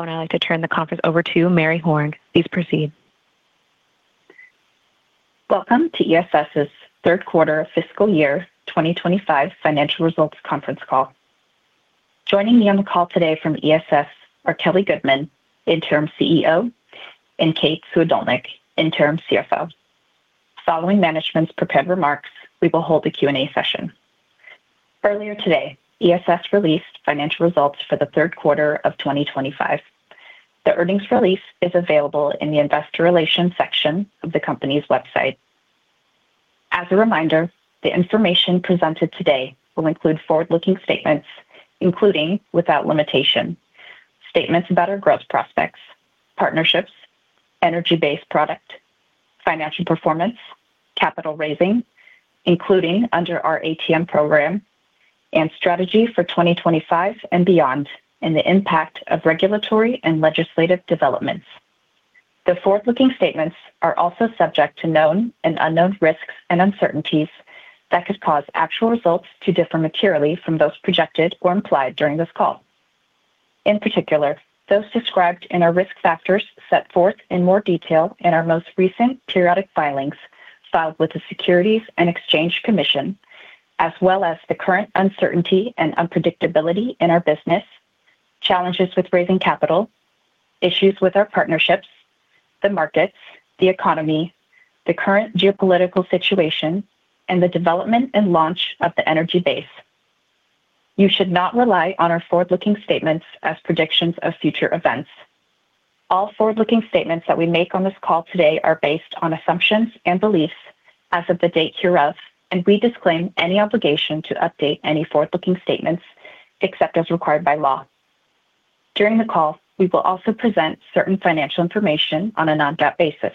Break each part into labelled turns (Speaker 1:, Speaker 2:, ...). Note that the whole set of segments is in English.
Speaker 1: I'd like to turn the conference over to Mary Horn. Please proceed.
Speaker 2: Welcome to ESS's Third Quarter of Fiscal Year 2025 Financial Results Conference Call. Joining me on the call today from ESS are Kelly Goodman, Interim CEO, and Kate Suhadolnik, Interim CFO. Following management's prepared remarks, we will hold a Q&A session. Earlier today, ESS released financial results for the third quarter of 2025. The earnings release is available in the Investor Relations section of the company's website. As a reminder, the information presented today will include forward-looking statements, including without limitation, statements about our growth prospects, partnerships, Energy Base product, financial performance, capital raising, including under our ATM program, and strategy for 2025 and beyond, and the impact of regulatory and legislative developments. The forward-looking statements are also subject to known and unknown risks and uncertainties that could cause actual results to differ materially from those projected or implied during this call. In particular, those described in our risk factors set forth in more detail in our most recent periodic filings filed with the Securities and Exchange Commission, as well as the current uncertainty and unpredictability in our business, challenges with raising capital, issues with our partnerships, the markets, the economy, the current geopolitical situation, and the development and launch of the Energy Base. You should not rely on our forward-looking statements as predictions of future events. All forward-looking statements that we make on this call today are based on assumptions and beliefs as of the date hereof, and we disclaim any obligation to update any forward-looking statements except as required by law. During the call, we will also present certain financial information on a non-GAAP basis.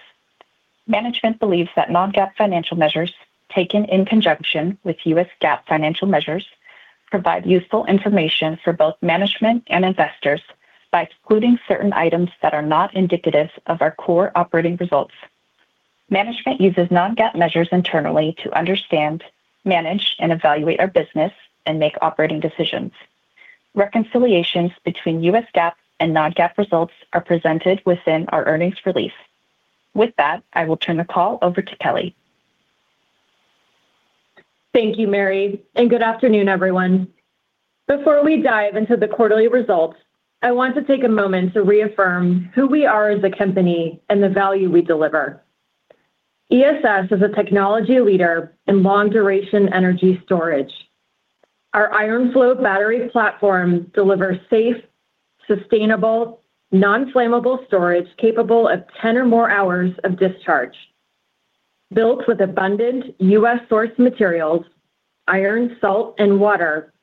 Speaker 2: Management believes that non-GAAP financial measures taken in conjunction with US GAAP financial measures provide useful information for both management and investors by excluding certain items that are not indicative of our core operating results. Management uses non-GAAP measures internally to understand, manage, and evaluate our business and make operating decisions. Reconciliations between US GAAP and non-GAAP results are presented within our earnings release. With that, I will turn the call over to Kelly.
Speaker 3: Thank you, Mary, and good afternoon, everyone. Before we dive into the quarterly results, I want to take a moment to reaffirm who we are as a company and the value we deliver. ESS is a technology leader in long-duration energy storage. Our IronFlow battery platform delivers safe, sustainable, non-flammable storage capable of 10 or more hours of discharge. Built with abundant US-sourced materials, iron, salt, and water,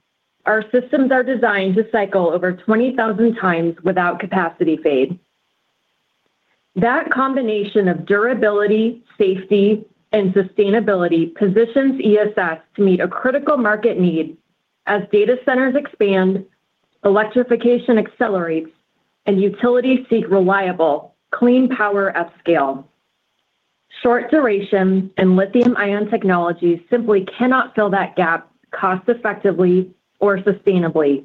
Speaker 3: our systems are designed to cycle over 20,000 times without capacity fade. That combination of durability, safety, and sustainability positions ESS to meet a critical market need as data centers expand, electrification accelerates, and utilities seek reliable, clean power at scale. Short duration and lithium-ion technologies simply cannot fill that gap cost-effectively or sustainably.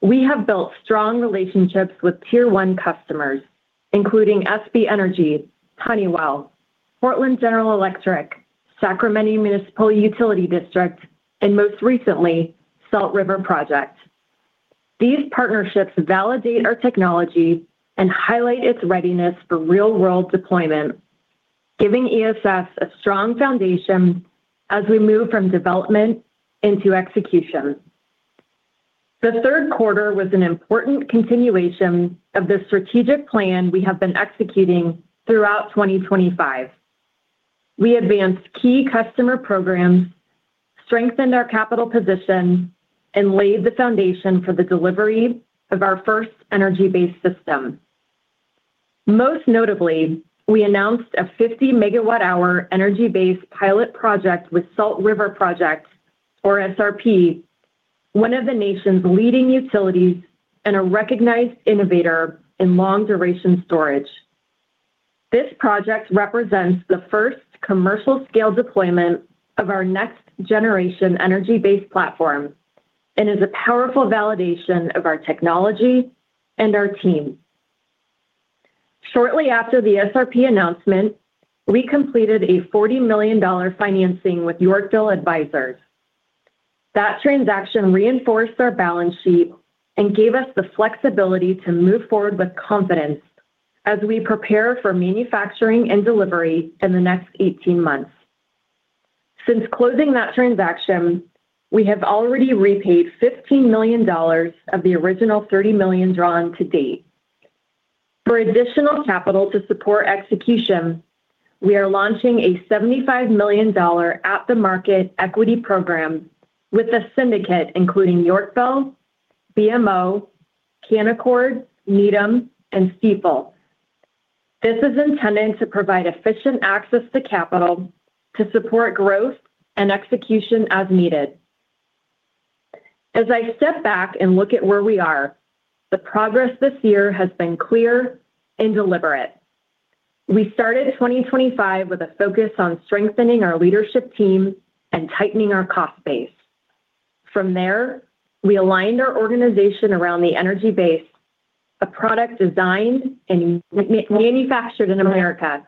Speaker 3: We have built strong relationships with tier-one customers, including SB Energy, Honeywell, Portland General Electric, Sacramento Municipal Utility District, and most recently, Salt River Project. These partnerships validate our technology and highlight its readiness for real-world deployment, giving ESS a strong foundation as we move from development into execution. The third quarter was an important continuation of the strategic plan we have been executing throughout 2025. We advanced key customer programs, strengthened our capital position, and laid the foundation for the delivery of our first Energy Base system. Most notably, we announced a 50 MWh Energy Base pilot project with Salt River Project, or SRP, one of the nation's leading utilities and a recognized innovator in long-duration storage. This project represents the first commercial-scale deployment of our next-generation Energy Base platform and is a powerful validation of our technology and our team. Shortly after the SRP announcement, we completed a $40 million financing with Yorkville Advisors. That transaction reinforced our balance sheet and gave us the flexibility to move forward with confidence as we prepare for manufacturing and delivery in the next 18 months. Since closing that transaction, we have already repaid $15 million of the original $30 million drawn to date. For additional capital to support execution, we are launching a $75 million at-the-market equity program with a syndicate including Yorkville, BMO, Canaccord, Needham, and Steeple. This is intended to provide efficient access to capital to support growth and execution as needed. As I step back and look at where we are, the progress this year has been clear and deliberate. We started 2025 with a focus on strengthening our leadership team and tightening our cost base. From there, we aligned our organization around the Energy Base, a product designed and manufactured in America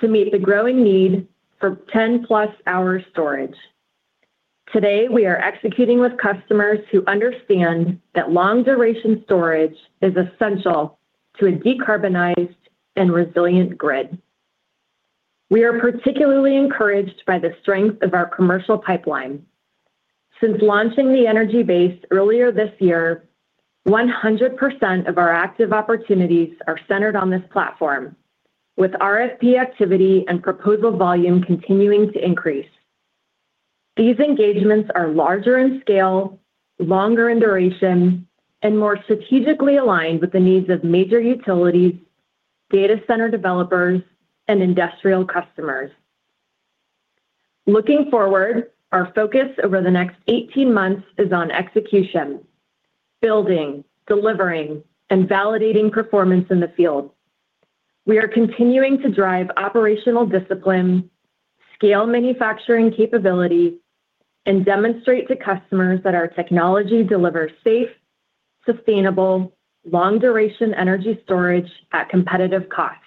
Speaker 3: to meet the growing need for 10-plus hours storage. Today, we are executing with customers who understand that long-duration storage is essential to a decarbonized and resilient grid. We are particularly encouraged by the strength of our commercial pipeline. Since launching the Energy Base earlier this year, 100% of our active opportunities are centered on this platform, with RFP activity and proposal volume continuing to increase. These engagements are larger in scale, longer in duration, and more strategically aligned with the needs of major utilities, data center developers, and industrial customers. Looking forward, our focus over the next 18 months is on execution, building, delivering, and validating performance in the field. We are continuing to drive operational discipline, scale manufacturing capability, and demonstrate to customers that our technology delivers safe, sustainable, long-duration energy storage at competitive cost.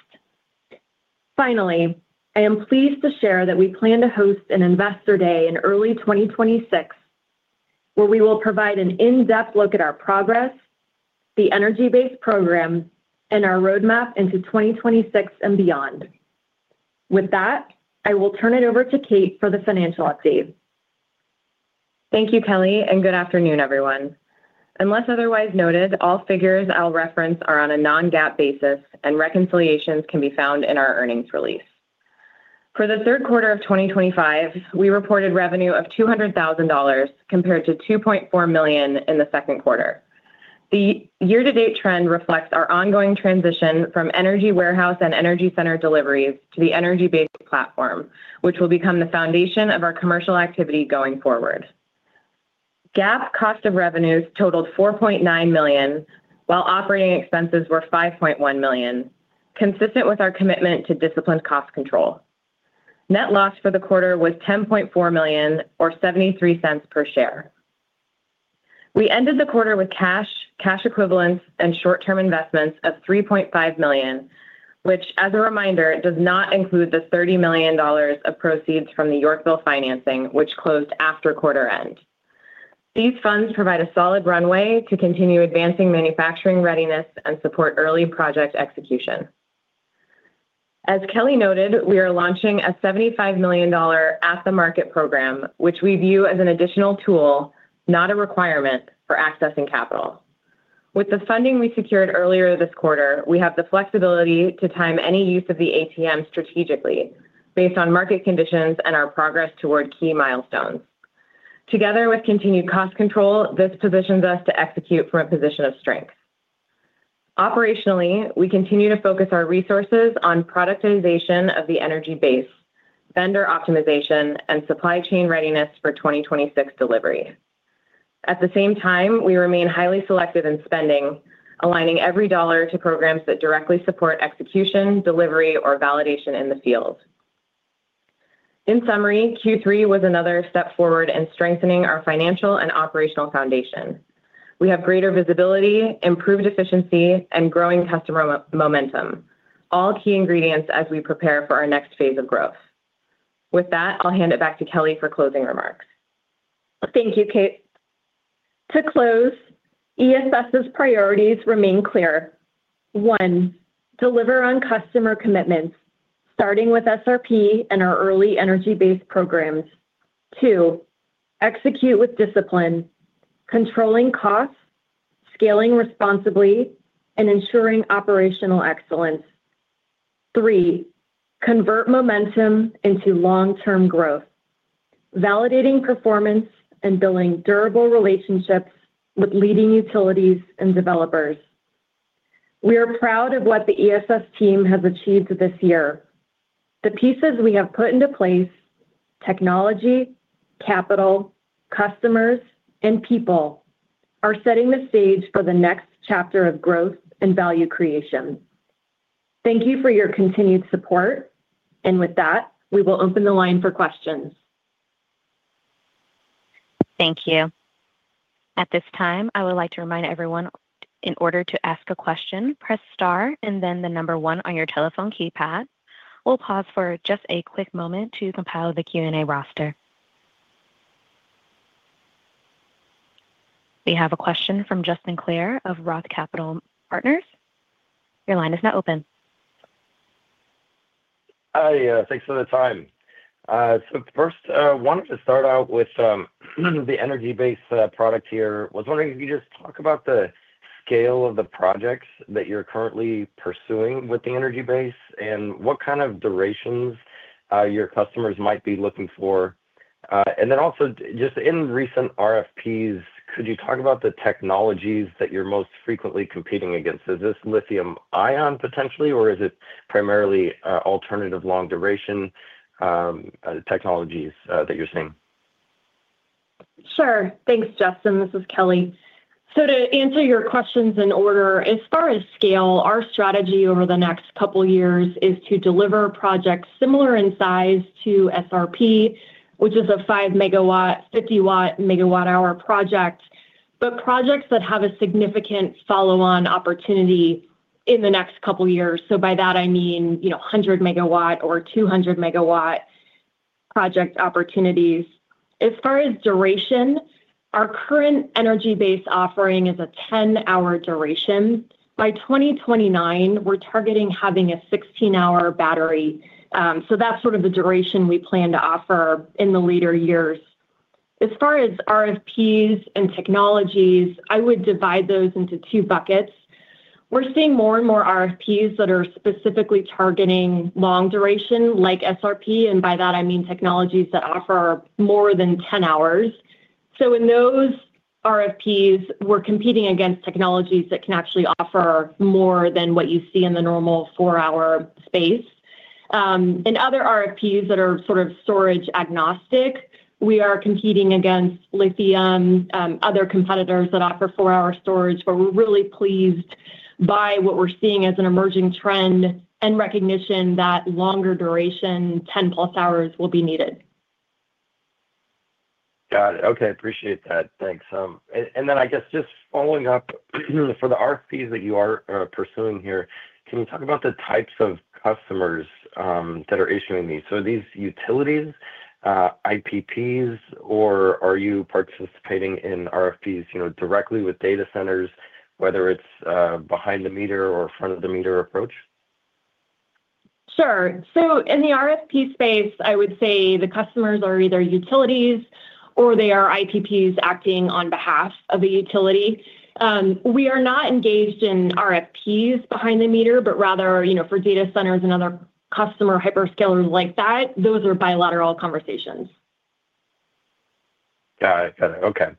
Speaker 3: Finally, I am pleased to share that we plan to host an Investor Day in early 2026, where we will provide an in-depth look at our progress, the Energy Base program, and our roadmap into 2026 and beyond. With that, I will turn it over to Kate for the financial update.
Speaker 4: Thank you, Kelly, and good afternoon, everyone. Unless otherwise noted, all figures I'll reference are on a non-GAAP basis, and reconciliations can be found in our earnings release. For the third quarter of 2025, we reported revenue of $200,000 compared to $2.4 million in the second quarter. The year-to-date trend reflects our ongoing transition from Energy Warehouse and Energy Center deliveries to the Energy Base platform, which will become the foundation of our commercial activity going forward. GAAP cost of revenues totaled $4.9 million, while operating expenses were $5.1 million, consistent with our commitment to disciplined cost control. Net loss for the quarter was $10.4 million, or $0.73 per share. We ended the quarter with cash, cash equivalents, and short-term investments of $3.5 million, which, as a reminder, does not include the $30 million of proceeds from the Yorkville financing, which closed after quarter-end. These funds provide a solid runway to continue advancing manufacturing readiness and support early project execution. As Kelly noted, we are launching a $75 million at-the-market program, which we view as an additional tool, not a requirement for accessing capital. With the funding we secured earlier this quarter, we have the flexibility to time any use of the ATM strategically based on market conditions and our progress toward key milestones. Together with continued cost control, this positions us to execute from a position of strength. Operationally, we continue to focus our resources on productization of the Energy Base, vendor optimization, and supply chain readiness for 2026 delivery. At the same time, we remain highly selective in spending, aligning every dollar to programs that directly support execution, delivery, or validation in the field. In summary, Q3 was another step forward in strengthening our financial and operational foundation. We have greater visibility, improved efficiency, and growing customer momentum, all key ingredients as we prepare for our next phase of growth. With that, I'll hand it back to Kelly for closing remarks.
Speaker 3: Thank you, Kate. To close, ESS's priorities remain clear. One, deliver on customer commitments, starting with SRP and our early Energy Base programs. Two, execute with discipline, controlling costs, scaling responsibly, and ensuring operational excellence. Three, convert momentum into long-term growth, validating performance and building durable relationships with leading utilities and developers. We are proud of what the ESS team has achieved this year. The pieces we have put into place, technology, capital, customers, and people, are setting the stage for the next chapter of growth and value creation. Thank you for your continued support, and with that, we will open the line for questions.
Speaker 1: Thank you. At this time, I would like to remind everyone, in order to ask a question, press star and then the number one on your telephone keypad. We'll pause for just a quick moment to compile the Q&A roster. We have a question from Justin Clare of Roth Capital Partners. Your line is now open.
Speaker 5: Hi, thanks for the time. First, I wanted to start out with the Energy Base product here. I was wondering if you could just talk about the scale of the projects that you're currently pursuing with the Energy Base and what kind of durations your customers might be looking for. Also, just in recent RFPs, could you talk about the technologies that you're most frequently competing against? Is this lithium-ion potentially, or is it primarily alternative long-duration technologies that you're seeing?
Speaker 3: Sure. Thanks, Justin. This is Kelly. To answer your questions in order, as far as scale, our strategy over the next couple of years is to deliver projects similar in size to SRP, which is a 5 MW, 50 MWh project, but projects that have a significant follow-on opportunity in the next couple of years. By that, I mean 100 MW or 200 MW project opportunities. As far as duration, our current Energy Base offering is a 10-hour duration. By 2029, we're targeting having a 16-hour battery. That is sort of the duration we plan to offer in the later years. As far as RFPs and technologies, I would divide those into two buckets. We're seeing more and more RFPs that are specifically targeting long duration, like SRP, and by that, I mean technologies that offer more than 10 hours. In those RFPs, we're competing against technologies that can actually offer more than what you see in the normal four-hour space. In other RFPs that are sort of storage-agnostic, we are competing against lithium, other competitors that offer four-hour storage, but we're really pleased by what we're seeing as an emerging trend and recognition that longer duration, 10-plus hours, will be needed.
Speaker 5: Got it. Okay. Appreciate that. Thanks. I guess just following up for the RFPs that you are pursuing here, can you talk about the types of customers that are issuing these? Are these utilities, IPPs, or are you participating in RFPs directly with data centers, whether it's behind-the-meter or front-of-the-meter approach?
Speaker 3: Sure. In the RFP space, I would say the customers are either utilities or they are IPPs acting on behalf of a utility. We are not engaged in RFPs behind-the-meter, but rather for data centers and other customer hyperscalers like that, those are bilateral conversations.
Speaker 5: Got it. Got it. Okay.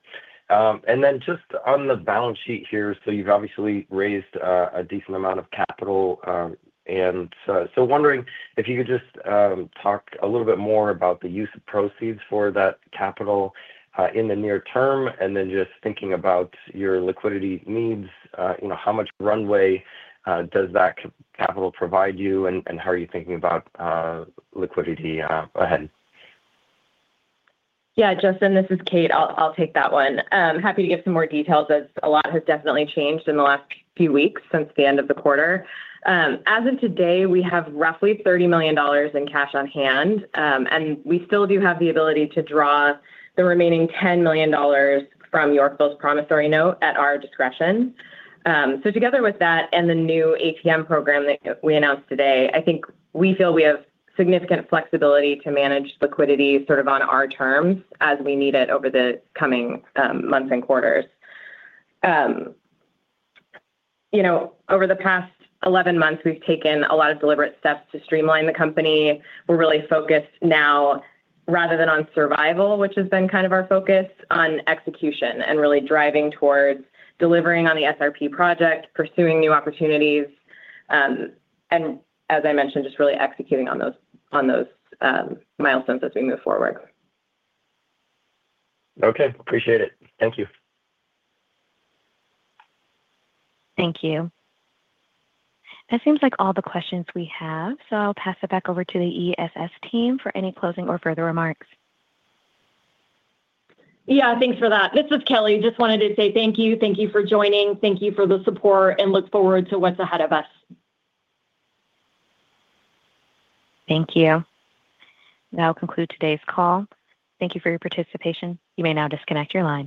Speaker 5: Just on the balance sheet here, you’ve obviously raised a decent amount of capital. I’m wondering if you could just talk a little bit more about the use of proceeds for that capital in the near term, and just thinking about your liquidity needs, how much runway does that capital provide you, and how are you thinking about liquidity ahead?
Speaker 4: Yeah, Justin, this is Kate. I'll take that one. Happy to give some more details as a lot has definitely changed in the last few weeks since the end of the quarter. As of today, we have roughly $30 million in cash on hand, and we still do have the ability to draw the remaining $10 million from Yorkville's promissory note at our discretion. Together with that and the new ATM program that we announced today, I think we feel we have significant flexibility to manage liquidity sort of on our terms as we need it over the coming months and quarters. Over the past 11 months, we've taken a lot of deliberate steps to streamline the company. We're really focused now, rather than on survival, which has been kind of our focus, on execution and really driving towards delivering on the SRP project, pursuing new opportunities, and as I mentioned, just really executing on those milestones as we move forward.
Speaker 5: Okay. Appreciate it. Thank you.
Speaker 1: Thank you. That seems like all the questions we have, so I'll pass it back over to the ESS team for any closing or further remarks.
Speaker 3: Yeah, thanks for that. This is Kelly. Just wanted to say thank you. Thank you for joining. Thank you for the support, and look forward to what's ahead of us.
Speaker 1: Thank you. That'll conclude today's call. Thank you for your participation. You may now disconnect your line.